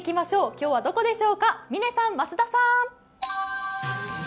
今日はどこでしょうか、嶺さん、増田さん。